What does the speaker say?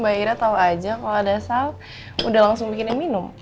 mba ira tau aja kalau ada hal udah langsung bikinin minum